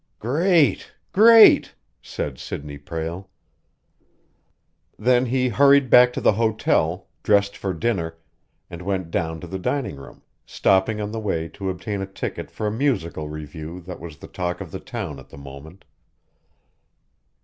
"Great great!" said Sidney Prale. Then he hurried back to the hotel, dressed for dinner, and went down to the dining room, stopping on the way to obtain a ticket for a musical revue that was the talk of the town at the moment.